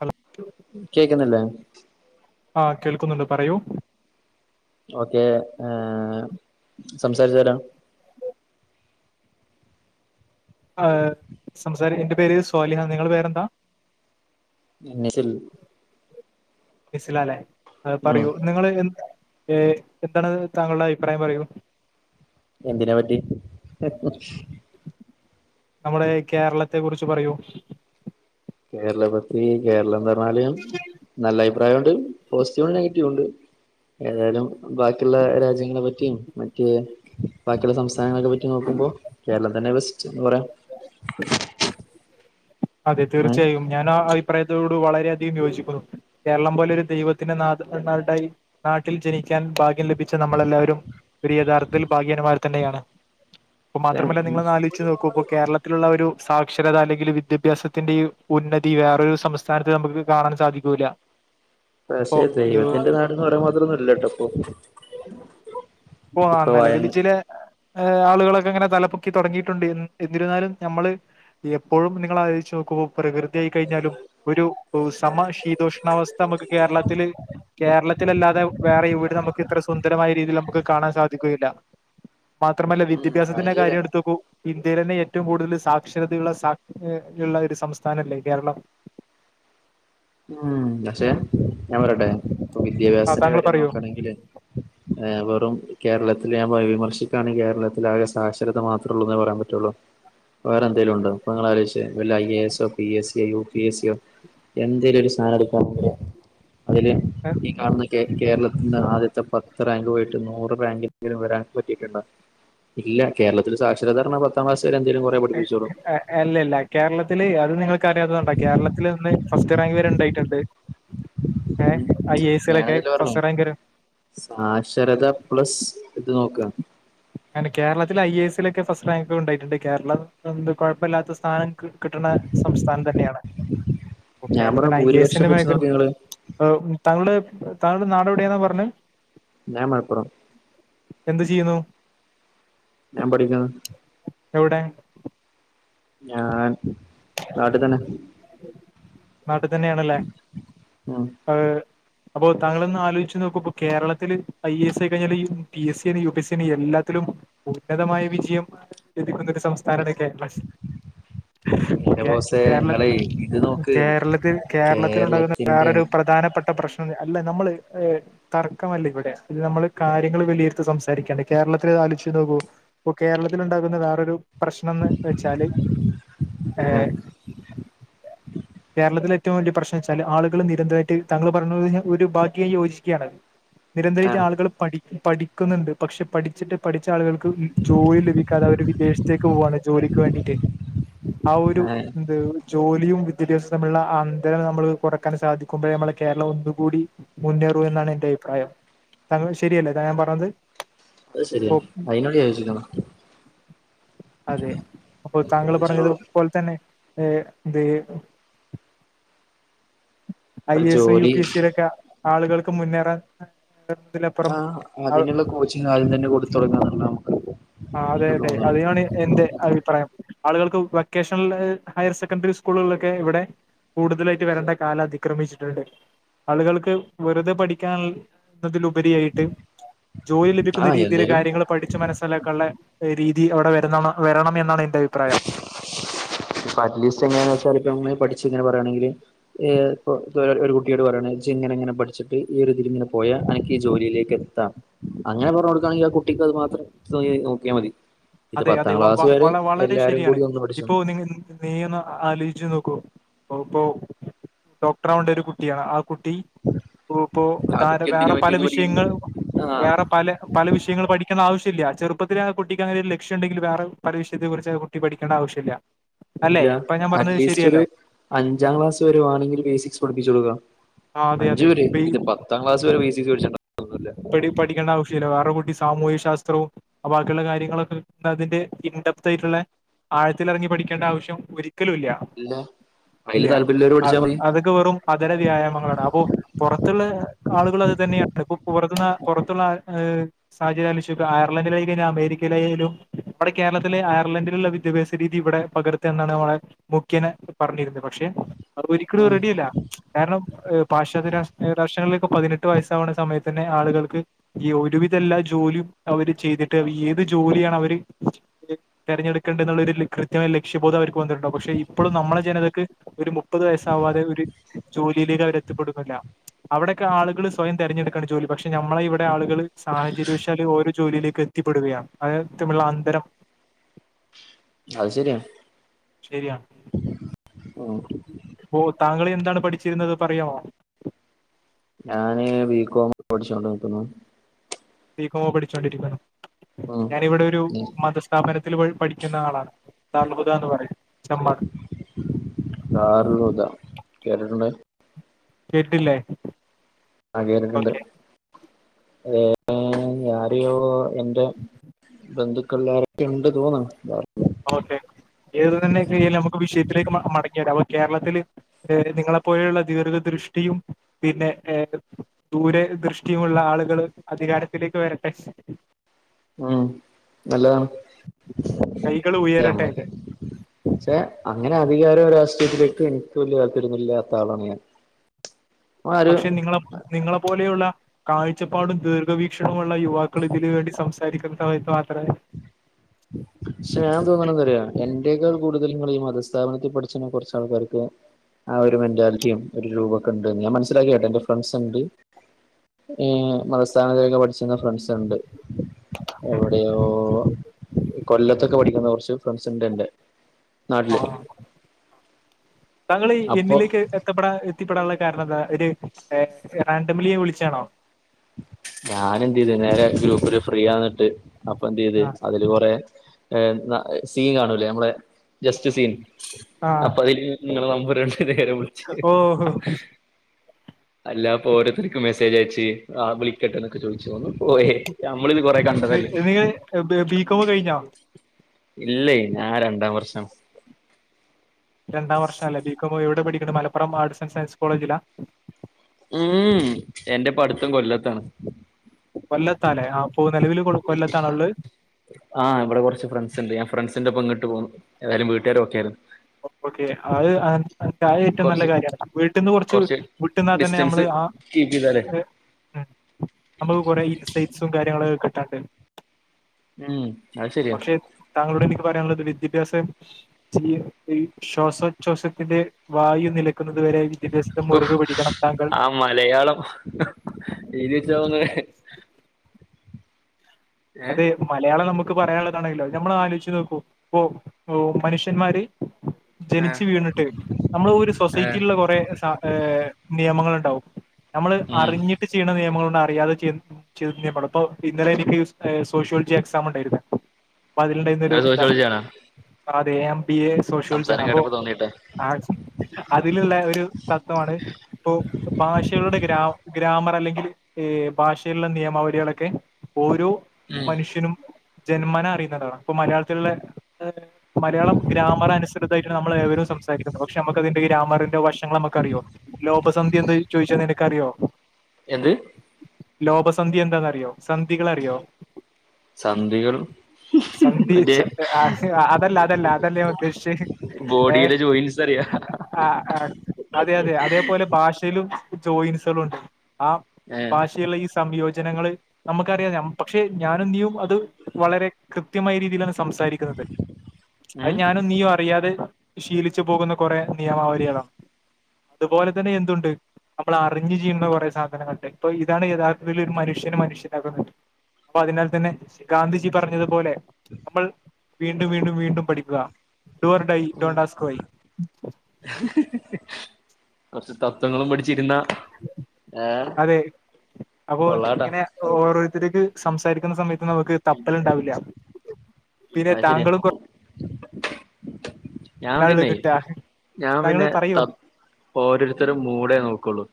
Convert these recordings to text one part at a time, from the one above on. Hello കേക്കുന്നില്ലേ? ആ കേൾക്കുന്നുണ്ട്. പറയൂ. ഓക്കെ. ഏ സംസാരിച്ച് വരാം. ആ സംസാരിക്കാം എന്റെ പേര് സാലിഹ്. നിങ്ങളുടെ പേരെന്താ? എണിച്ചെ ഉള്ളു. ബെസിലാലെ ഉം പറയൂ നിങ്ങള് എന്ന്ത്‌ ഏ എന്താണ് താങ്കളുടെ അഭിപ്രായം പറയൂ? എന്തിനെ പറ്റി നമ്മുടെ കേരളത്തെ കുറിച്ച് പറയൂ. കേരളത്തെ പറ്റി കേരളം പറഞ്ഞാല് നല്ല അഭിപ്രായം ഉണ്ട്. പോസിറ്റീവും ഉണ്ട് നെഗറ്റീവും ഉണ്ട്. ഏതായാലും ബാക്കിയുള്ള രാജ്യങ്ങളെ പറ്റിയും മറ്റേ ബാക്കിയുള്ള സംസ്ഥാനങ്ങളക്കെ പറ്റി നോക്ക കേരളം തന്നെ ബെസ്റ്റ് എന്ന് പറയാം അതെ ഉം തീർച്ചയായും ഞാൻ ആ അഭിപ്രായത്തോട് വളരെയധികം യോജിക്കുന്നു. കേരളം പോലെ ഒരു ദൈവത്തിന്റെ നാ നാടായി നാട്ടിൽ ജനിക്കാൻ ഭാഗ്യം ലഭിച്ച നമ്മളെല്ലാവരും ഒരു യഥാർത്ഥത്തിൽ ഭാഗ്യന്മാർ തന്നെയാണ്. അപ്പ പക്ഷെ മാത്രമല്ല നിങ്ങള് ഒന്ന് ആലോചച്ച് നോക്കൂ ഇപ്പ കേരളത്തിലുള്ള ഒരു സാക്ഷരത അല്ലെങ്കിൽ വി വിദ്യാഭ്യാസത്തിന്റെ ഉന്നതി വേറൊരു സംസ്ഥാനത്ത് നമുക്ക് കാണാൻ സാധിക്കൂല്ല. ഇപ്പോ പക്ഷെ ഇത് ദൈവത്തിന്റെ നാടന്ന് പറയാൻ മാത്രം മൊന്നും ഇല്ലട്ടോഇപ്പം. ഓ നിലവില് ചില ആളുകളൊക്കെ അങ്ങനെ തലപ്പൊക്കി തുടങ്ങിയിട്ടുണ്ട്. എന്നിരുന്നാലും നമ്മള് എപ്പോഴും നിങ്ങൾ ആലോജിച്ച് നോക്കുമ്പോ പ്രകൃതിയായി കഴിഞ്ഞാലും ഒരു സമ ശീതോഷണാവസ്ഥ നമുക്ക് കേരളത്തിൽ കേരളത്തിലല്ലാതെ വേറെ ഇവിടെ നമുക്ക് ഇത്ര സുന്ദരമായ രീതിയിൽ നമുക്ക് കാണാൻ സാധിക്കുകയില്ല. മാത്രമല്ല ഉം അത് വിദ്യാഭ്യാസത്തിന്റെ ശരിയാ കാര്യം എടുടുത്തൊക്ക് ഇന്ത്യൽ തന്നെ ഏറ്റവും കൂടുതൽ സാക്ഷരതയുള്ള സാ ഉള്ള ഒരു സംസ്ഥാന അല്ലേ കേരളം. [unintelligible] ഉം. പക്ഷെ ഞാൻ പറയട്ടെ ഇപ്പ ആ വിദ്യാഭ്യാസത്തിന്റെ താങ്കൾ കാര്യം പറയോ നോക്കയാണെങ്കില് കേരളത്തിൽ ഞാൻ വിമർശിക്കാണെങ്കിൽ കേരളത്തിൽ ആകെ സാക്ഷരത മാത്രേ ഉള്ളൂേ പറയാൻ പറ്റുള്ളൂ. വേറെ എന്തേലും ഉണ്ടോ? അപ്പൊ നിങ്ങൾ ആലോജിച്ചേ വല്ല ഐ. എ.. എസോ, പി. എസ്. സിയോ, യു. പി. എ സിയോ എന്ത എന്തേലും ഒരു സാധനം എടുക്കുവാണങ്കില് അതില് ഏ ഈ കാണുന്ന കേരളത്തിന്ന് ആദ്യത്തെ പത്ത് റാങ്ക് പോയിട്ട് നൂറ്റാങ്കിലെങ്കിലും വരാൻ പറ്റിയിട്ടുണ്ടോ? ഇല്ല. കേരളത്തിൽ സാക്ഷരത എന്ന് പറഞ്ഞാൽ പത്താംക്ലാസ് വരെ എന്തെലും അല്ലല്ല കേരളത്തില് അത് നിങ്ങൾക്കറിയാത്ത കൊണ്ടാ കേരളത്തിൽ നിന്ന് ഫസ്റ്റ് റാങ്ക് വരെ ഉണ്ടായിട്ടുണ്ട്. ഏ ഐ എ എസിലൊക്കെ ഞാനതല്ല പറഞ്ഞേ ഫസ്റ്റ് റാങ്ക് വരെ സാക്ഷരത പ്ലസ് ഇത് നോക്കുക? പിന്നെ കേരളത്തിൽ ഐ. എ. എസിൽ ഒക്കെ ഫസ്റ്റ് റാങ്ക് ഉണ്ടായിട്ടുണ്ട്. കേരളം കൊഴപ്പമില്ലാത്ത സ്ഥാനം കിട്ടണ സംസ്ഥാനം തന്നെയാണ് ഞാൻ പറഞ്ഞ കേരളത്തിന് ഐ എ ഭൂരിപക്ഷം എസിന് വെച്ച് മേഖൽ നോക്ക് നിങ്ങള് താങ്കള് താങ്കളുടെ നാട് എവിടെയാന്നാ പറഞ്ഞെ ഞാൻ മലപ്പുറം എന്ത് ചെയ്യുന്നു ഞാൻ പഠിക്കുന്ന് എവിടെ ഞാൻ നാട്ടി തന്നെ നാട്ടി തന്നെയാണല്ലേ ഉം അ അപ്പൊ താങ്കള് ഒന്ന് ആലോയിച്ച് നോക്കു ഇപ്പം കേരളത്തില് ഐ എസ് ആയി കഴിഞ്ഞാല് ഈ പി എസിയാണേ യു പി എ സിയാണേ എല്ലാത്തിലും ഉന്നതമായ വിജയം ലഭിക്കുന്നൊരു സംസ് ഥാനാണ് കേര്ളസ് അപ്പം എന്റെ കേ ബോസേ കേരള ഇങ്ങളെ ഇത് നോക്ക് കേരളത്തിൽ കേരളത്തിൽ ഉണ്ടാകുന്ന കേരളത്തിന്റെ വേറൊരു പ്രധാനപ്പെട്ട പ്രശ് അല്ല നമ്മള് തർക്കമല്ല ഇവിടെ ഇത് നമ്മള് കാര്യങ്ങള് വിലിയിരുത്തി സംസാരിക്കാണ്ട് കേരളത്തില് പാലിച്ചു നോകൂ ഇപ്പം കേരളത്തിൽ ഉണ്ടാകുന്ന വേറൊരു പ്രശ്നം എന്ന് വെച്ചാല് ആഹ് ഏഹ് കേരളത്തിലെ ഏറ്റവും വലിയ പ്രശ്നം വെച്ചാല് ആളുകള് നിരന്തരായിട്ട് താങ്കൾ പറഞ്ഞത് പോലെ തന്നെ ഒരു ഭാഗ്യായി യോജിക്കാണ് നിരന്തരായിട്ട് ആഹ് ആളുകള് പഠി പഠിക്കുന്നുണ്ട് പക്ഷെ പഠിച്ചിട്ട് പഠിച്ച ആളുകൾക്ക് ജോലി ലഭിക്കാതെ അവര് വിദേശത്തേക്ക് പോവാണ് ജോലിക്ക് വേണ്ടീട്ട് ആ ഒരു ആഹ് എന്ത് ജോലിയും വി വിദ്യാഭ്യാസം തമ്മിലുള്ള അ അന്തരം നമ്മള് കൊറക്കാൻ സാധിക്കുമ്പഴേ നമ്മള് കേരളം ഒന്നുംകൂടി മുന്നേറൂ എന്നാണ് എന്റെ അയി അഭിപ്രായം താങ്കള് ശെരിയല്ലേ ഞാൻ പറഞ്ഞത് അത് ശെരിയ ഓ അയിനോട് യോചിക്ക്ണു അതെ അപ്പോൾ താങ്കൾ ജോ പറഞ്ഞതും ഇപ്പോൾ തന്നെ ഏ ദേണു ഐ ഇപ്പ എസയും യു ജോലി പി എസീടേക്ക ആളുകൾക്ക് മുന്നേറാൻ ന്നതിലപ്പുറം ആ അ അതിനുള്ള കോച്ചിങ് ആദ്യം തന്നെ കൊടുത്ത് തുടങ്ങുന്നല്ലോ ആ അതെ അതെ അതിയാണ് എന്റെ അഭിപ്രായം ആളുകൾക്ക് വൊക്കേഷണൽ ഹയർ സെക്കൻ്ററി സ്കൂളിലൊക്കെ ഇവിടെ കൂടുതലായിട്ട് വരേണ്ട കാലം അതിക്രമിച്ചിട്ടുണ്ട് ആളുകൾക്ക് വെറുതെ പഠിക്കാൻ ന്നതിലുപരിയായിട്ട് ജോലി ലഭിക്കുന്ന ആഹ് രീതില് എന്തേലും കാര്യങ്ങള് പഠിച്ച് മനസ് ക്കള്ളെ രീതി അവിടെ വരുന്നണം വരണം എന്നാണ് എൻ ഇപ്പം അറ്റ്ലീസ്റ്റ് എങ്ങനാന്ന് വച്ചാൽ ഇപ്പം പഠിച്ചു ഇങ്ങനെ പറയാണോങ്കില് ഏ ഒര് ഒരു കുട്ടിയോട് പറയണം ഇജ്ജ് ഇങ്ങനെ ഇങ്ങനെ പഠിച്ചിട്ട് ഈ ഒരു ഇതിലിങ്ങനെ പോയാ അനക്ക് ഈ ജോലിയിലേക്ക് എ ത്താം അങ്ങനെ പറഞ്ഞ് കൊടുക്കാങ്കി ആ കുട്ടിക്കും അത് മാത്രം നോക്കിയ മതി ഇത് പത്താം ക്ലാസ് വരെ അത് എല്ലാരും ശെരിയാണ് കൂടി ഒന്ന് പഠിച്ചു ഇപ്പോ നിങ് നീ ഒന്ന് ആലോയിച്ച് നോക്കൂ ഇപ്പൊ ഡോക്ടർ ആവണ്ട ഒരു കുട്ടിയാണ് ആ കുട്ടി ഓ ഇപ്പോ ആ താര കുട്ടി എന്തിനാ വേറെ പല മറ്റേത് പഠിക്കണ് വിഷയങ്ങൾ ആഹ് വേറെ പല പല വിഷയങ്ങള് പഠിക്കുന്ന ആവശ്യ ത്തില്ല്യാ ചെറുപ്പത്തിലേ ആ കുട്ടക്ക് അങ്ങനെ ഒരു ലക്ഷ്യം ഉണ്ടങ്കില് വേറെ പല വിഷയത്തെ കുറിച്ച് ആ കുട്ടി പഠിക്കണ്ട ആവശ്യില്ല ഇല്ല അറ്റ്ലീസ്റ്റ് ഒരു അഞ്ചാം ക്ലാസ് വരുവാണെങ്കിൽ ബേസിക്സ് പഠിപ്പിച്ചു കൊടുക്കാം ആ അതെ അഞ്ചു അതെ പോരേ ഇപ്പൊ ഇത് പത്താം ക്ലാസ് വരെ ബേസിക്സ് പഠിച്ചിട്ട് പഠി പഠിക്ക ആവശ്യ ശ്യില്ല വേറെ കുട്ടി സാമൂഹിക ശാസ്ത്രവും ബാക്കിയുള്ള കാര്യങ്ങളൊക്കെ അതിന്റെ ഇൻഡപ്ത് ആയിട്ടുള്ള ആഴത്തിൽ ഇറങ്ങി പഠിക്കേണ്ട ആവശ്യം ഒരിക്കലും ഇല്ല ഇല്ല അതില് താല്പര്യമുള്ളവര് അ പഠിച്ചാൽ മതി അതൊക്കെ വെറും അതര വ്യായാമങ്ങളാണ് അപ്പൊ പൊറ ത്തുള്ള ആളുകളും അത് തന്നെയാണ് ഇപ്പം പുറത്ത്ന്ന് പുറത്തുള്ള സാഹചര്യം ആലോയിച്ചോക്ക് ഐയർലൻഡ്യാലും അമേരിക്കയിലായലും അവിടെ കേ കേരളത്തിലെ അയർലെൻ്റിലുള്ള വിദ്യാഭ്യാസ രീതി ഇവിടെ പകർത്താ എന്നാണ് മുഖ്യനെ പറഞ്ഞിരുന്ന് പ പക്ഷെ അത് ഒരിക്കലും ഉം റെഡി അല്ല കാരണം പാശ്ചാത്യ രാഷ് രാഷ്ട്രങ്ങളില് പതിനെട്ട് വയസ്സാവണ സമയത്ത് തന്നെ ആളുകൾക്ക് ഈ ഒരുവിധ എല്ലാ ജോലിയും അവര് ചെയ്തിട്ട്. ഏത് ജോലിയാണ് അവര്? തിരഞ്ഞെടുക്കാൻ ഒരു കൃത്യമായ ലക്ഷ്യബോധം അവർക്ക് വന്നിട്ടുണ്ടോകും പക്ഷെ ഇപ്പോഴും നമ്മള ജനതക്ക് ഒരു മുപ്പത് വയസ്സവാതെ ഒരു ജോലിയിലേക്ക് അവർ എത്തിപ്പെടുന്നില്ല. അവിടെയൊക്കെ ആളുകൾ സ്വയം തിരഞ്ഞെടുക്ക ജോലി പക്ഷെ ഞമ്മളെ ഇവിടെ ആളുകൾ സാഹചര്യവശാൽ ഓരോ ജോലിയിലേക്ക് എത്തിപ്പെടുകയാണ് [unintelligible] [unintelligible] അത് ശരിയാ ശരിയാണ്. ഉം പ്പോ താങ്കൾ എന്ത എന്താണ് പഠിച്ചിരുന്നത് പറയാമോ? ഞാന് ബി. കോം പഠിച്ചോണ്ടിക്കുന്നു ബി. കോം പഠിച്ചൊണ്ടിരിക്ക. ഉം ഞാനിവിടെ ഒരു ഉം മതസ്ഥാപന ത്തി പോയി പഠിക്കുന്ന ആളാണ്. ദാറുൽ ഹുദ എന്ന് പറയും. ചമ്പാട് ദാറുൽ ഹുദ. കേട്ടിട്ടുണ്ട്. കേട്ടില്ലേ? ആ കേട്ടിട്ടുണ്ട് ഓക്കെ ആരയോ എന്റെ ബന്ധുക്കള്ളിലാരൊക്കയോ ഉണ്ട് തോന്നന്നു ഓക്കെ. ഏത് തന്നെ യാലും നമുക്ക് വിഷയത്തിലേക്ക് മടങ്ങിരാം അപ്പൊ കേരളത്തിൽ നിങ്ങളെപ്പോലെയുള്ള ദീർഘ ദൃഷ്ടിയും പിന്നെ ഏ ദൂരെ ദൃഷ്ടിയുമുള്ള ആളുകൾ അധികാരത്തിലേക്ക് വരട്ടെ ഉം നല്ലതാണ് കൈകൾ ഉയരട്ടെ ഞമ്മക്ക് പക്ഷെ അങ്ങനെ അധികാര രാഷ്ട്രീയത്തിലേക്ക് എനിക്ക് വലിയ തല്പര്യമില്ലാത്ത ആളാണ് ഞാൻ ആ ഒരു പക്ഷെ നിങ്ങള നിങ്ങളെ പോലെയുള്ള കാഴ്ചപ്പാടും ദീർ വീക്ഷണമുള്ള യുവാക്കൾ ഇതിന് വേണ്ടി സംസാരിക്കുന്ന സമയത്ത് മാത്രേ പക്ഷെ ഞാൻ തോന്നാനാ എന്താന്നറിയോ എന്റെക്കാൾ കൂടുതൽ നിങ്ങൾ ഈ മതസ്ഥാപനത്തിൽ പഠിച്ച കുറച്ചാൾക്കൾക്ക് ആ ഒരു മെന്റാലിറ്റിയും, ഒരു രൂപമൊക്കെ ഉണ്ടെന്ന് ഞാൻ മനസ്സിലാക്കി കേട്ടെ എന്റെ ഫ്രണ്ട്സ് ഉണ്ട് ഏ മതസ്ഥാനത്തിലൊക്കെ പഠിച്ചിരുന്ന ഫ്രണ്ട്സ് ഉണ്ട്. എവിടെയോ കൊല്ലത്തൊക്കെ പഠിക്കുന്ന കുറച്ച് ഫ്രണ്ട്സ് ഉണ്ട് എന്റെ നാട്ടില് താങ്കൾ അപ്പൊ എന്നിലേക്ക് എത്തപ്പെടാ എത്തിപ്പെടാനുള്ള കാരണം എന്താ? ഒരു [unintelligible] വിളിച്ചാണോ ഞാന എന്ത് ചെയ്തു നേരെ ഗ്രൂപ്പില് ഫ്രീയാന്നിട്ട്. അപ്പൊ എന്ത് ചെയ്ത് ആ അതില് കൊറെ സീൻ കാണൂല്ലേ നമ്മളെ ജസ്റ്റ് സീൻ ആ. അപ്പൊ അതില് നിങ്ങളെ നമ്പൂരുണ്ട് ഇവരെ വിളിച്ച ഓ അല്ലാപ്പോ ഓരോത്തർക്ക് മെസ്സേജ് അയച്ച് ആ വിളിക്കട്ടെ എന്നൊക്കെ ചോദിച്ചു ഒന്ന് പോയ നമ്മൾ ഇത് കൊറെ കണ്ടതല്ലേ നിങ്ങൾ ബികോം കഴിഞ്ഞോ ഇല്ല ഞാൻ രണ്ടാം വർഷം രണ്ടാം വർഷം അല്ലേ? ബി. കോം. എവിടെ പഠിക്കണു? മലപ്പുറം ആർട്സ് ആൻഡ് സയൻസ് കോളേജിലാ? ഉം എന്റെ പഠിത്തം കൊല്ലത്താണ് കൊല്ലത്താലേ ആ ഇപ്പൊ നിലവിൽ കൊല്ലാതെആണോ ഉള്ളത് ആഹ് ഇവിടെ കുറച്ച് ഫ്രണ്ട്സ് ഉണ്ട്. ഞാൻ ഫ്രണ്ട്സിന്റെ ഒപ്പം ഇങ്കിട്ട് പോന്നു. എതായാലും വീട്ടുകാരും ഒക്കെ ആയിരുന്നു. ഓക്കെ അത് അ ഏറ്റവും നല്ല കുറച്ച് കാര്യമാണ് വീട്ടിൽന്ന് കുറച്ച് വിട്ടുന്നാൽ തന്നെ നമ്മള് ആ മനസ്സിലായില്ലേ നമുക്ക് കുറെ ഇൻസൈറ്റ്സും കാര്യങ്ങളൊക്കെ കിട്ടാണ്ട് ഉം അത് ശരിയാ പക്ഷെ താങ്കളോട് എനിക്ക് പറയാനുള്ളത് വിദ്യാഭ്യാസം ശ്വാസോച്ഛ്വാസത്തിന്റെ വായു നില ന്നത് വരെ വിദ്യാഭ്യാസത്തി ഓഹ് മുറകെ പിടിക്കണം താങ്കൾ ത് വച്ചാവുന്ന അത മലയാളം നമ്മ പറയാനുള്ളതാണെങ്കിലോ നമ്മൾ ആലോചിച്ച് നോക്കും ഇപ്പൊ മനുഷന്മാര് ജനിച്ച്ച് വീണിട്ട് നമ്മള് ഒരു ഏഹ് സൊസൈറ്റിയിലുള്ള കുറെ നിയമങ്ങളുണ്ട് വും നമ്മള് ഉം അറിഞ്ഞിട്ട് ചെയ്യ്ണ നിയമങ്ങള്‌ണ്ട് അറിയാതെ ചെയ്യ് ചെയ്യ്ന്നപെടും പ്പോ ഇന്നലെ എനിക്ക് ഏ സോഷ്യോൾജി എക്സാമുണ്ടായിരുന്നു. പ്പതിൽണ്ടായിരുന്നൊരു അത് താണ്. സോഷ്യോളജിയാണോ [unintelligible] ബ എ സോഷ്യോൾജി ആണ്. സംസാരം അപ്പോ കേട്ടപ്പോ തോന്നിട്ടെ ആച് അതില്ള്ള ഒരു തത്ത്വമാണ്. പ്പൊ ഭാഷകളുടെ ഗ്രാം ഗ്രാമറല്ലെങ്കിൽ എ ഭാഷയിലുള്ള നിയമാവരികളൊക്കെ ഓരോ ഉം മനുഷ്യനും. ജന്മന അറിയുന്നതാ പ്പൊ മലയാളത്തിൽല്ലേ മലയാളം ഗ്രാമറാനുസൃതായിട്ട്ണ് നമ്മൾ ഏവരുംസം സംസാരിക്കുന്നു പക്ഷെ നമുക്കതിന്റെ ഗ്രാമറിന്റെ വശങ്ങൾ നമുക്കറിയോ ലോപസന്ധി എന്താന്ന് ചോദിച്ചാ നിനക്കറിയോ? യെന്ത്? ലോപസന്ധി എന്താന്നറിയോ? സന്ധികളറിയോ? സന്ധികളും സന്ധി മറ്റേ ചൻ അഹ് അതല്ല അതല്ല അതല്ല ഞാൻ ഉദ്ദേഷിച്ച്. ഹ്ഹ് ബോഡിയിലെ ജോയിൻസ [unintelligible] അ അ അതെയതെ അതേ പോലെ ഭാ ഷെലും ജോയിൻസളുണ്ട് ആ ഭാഷയുള്ള ഈ സംയോജനങ്ങള് നമ്മക്കറിയാതെ ക്ഷെ ഞാനും നീയും അത് വളരെ കൃത്യമായരീതിയിലാണ്. സ് സംസാരിക്കുന്നതെ അഅ് ഉം ഞാനും നീയു അറിയാതെ ശീലിച്ചു പോകുന്ന കൊറെ നിയമാവരികളാ അതുപോലെ തന്നെ എന്തുണ്ട് നമ്മളറിഞ്ഞ് ചെയ്യുന്ന കൊറേ സാധനങ്ങൾണ്ട്. ഇപ്പൊ ഇതാണ് യഥാർത്ഥത്തില് ഒരു മനുഷ്യനെ മനുഷ്യനാക്കുന്നത് പ്പതിനാൽ തന്നെ സ് ഗാന്ധിജി പറഞ്ഞത് പോലെ നമ്മൾ വീണ്ടു വീണ്ടു വീണ്ടും പഠിക്കുക. ഡോർ ഡൈ ഡോണ്ടാസ്ക്കോയ് കൊർച്ച് തത്വങ്ങളും പഠിച്ചിരുന്നാ [inaudible] അതെ അപ്പോ കൊള്ളാട്ടാ ഇങ്ങനെ ഓവറ് ഇതിക്ക് സംസാരിക്കുന്ന സമയത്ത് നമുക്ക് തപ്പലുണ്ടാവില്ല. പിന്നെ അയ്ശര്യാ താങ്കളും [unintelligible] ക് ട്ടാ ഞാപിന്നെ ത ഓരോരുത്തര മൂഡെ നോക്കുള്ളു.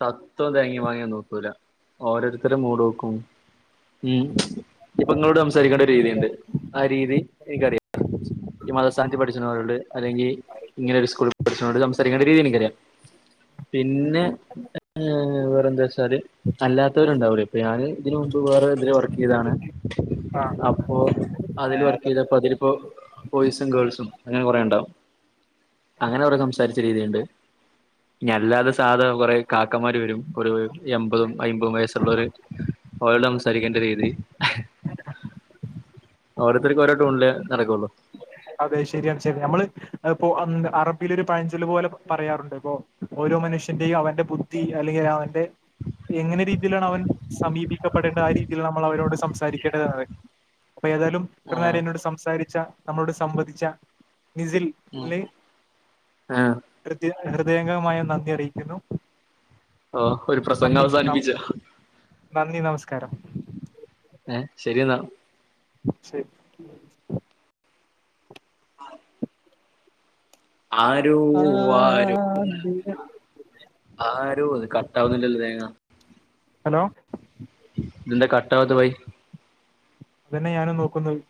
ത തൊ തേങ്ങ്യേം മാങ്ങേം ഒന്നോക്കൂ ല. ഓരോര്ത്തരെ മൂടൾക്കും ഉം ഇപ്പങ്ങളോടംസാരിക്കേണ്ട രീതിണ്ട്. ആ രീതി എനിക്കറിയ. ഈ മത സ്ഥാനത്തി പഠി [unintelligible] അല്ലെങ്കി ഇങ്ങനെ ഒരു സ്ക്കൂള് പഠിച്ചോണ്ട് സംസാരിക്കേണ്ട രീതി എനിക്കറിയാ പിൻന്നെ ങേ വേറന്തച്ചാല് അല്ലാത്തോര് ണ്ടാവൂലെ പ ഞാന് തിന് മുമ്പ് വേറ [unintelligible] വർക്കെയ്താണ്. ആ [inaudible] അപോ, അതായത് അങ്ങന കൊറെ ണ്ടാവും. അങ്ങന കൊറെ സംസാരിച്ച രീതീണ്ട്. ന്യല്ലാതെ സാദാ കൊറെ കാക്കന്മാര് വെരും ഒരു എൺമ്പതും, അയ്മ്പതും, വയസ്സുള്ളോർ ഒലോടംസ് [unintelligible] ഓരോര്ത്തര്ക്കും ഓരോ ടൂൺ ലെ നടക്കുള്ളു. അതെ ശരിയാണ് ച്ചാ നമ്മള് അഅ് പോ [unintelligible] അറബില് ഒരു പഴഞ്ചൊല്ല് പോലെ പറയാറുണ്ട് ബൊ ഓരോ മനുഷ്യന്റെയും അവന്റെ ബുദ്ധി അല്ലെങ്കിലവന്റെ എങ്ങന രീതിയിലാണവൻ സമീപി ഇഷ്ട്ടപ്പെടേണ്ട ആ രീതിയില്നമ്മൾ അവരോട് സംസാരിക്കേണ്ടതാണ്. അപ്പൊ, ഏതായാലും ഇത്ര നേരം ആഹ് എന്നോട് സംസാരിച്ച നമ്മളോട് സംവദിച്ച നിസിൽ ഉം ന് ആഹ് ഹൃദ്യ ഹൃദയംഗമായ നന്ദി അറിയിക്കുന്നു. ഓ ഒരു പ്രസംഗം നന്ദി അവസാനിപ്പിച്ച. നന്ദി നമസ്കാരം ഏ ശരിയെന്നാ. ശര് [inaudible] ആരോ ആരൊ [inaudible] ആര് ത് കട്ടാവുന്നില്ലല്ല തേങ്ങ ഹലോ ഇതെന്താ കട്ടാവാത്ത് ബായ് അതന്നെ ഞാനും നോക്കുന്നത്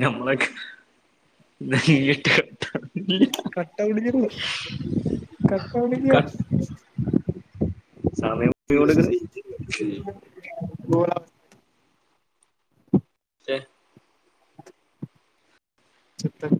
നമ്മളെട്ട [unintelligible] [inaudible] കട്ട ആവണില്ല [unintelligible] കട്ട ആവണില്ല കട്ട് സമയം കൊടുക്കണ് [unintelligible] ഛെ ചത്ത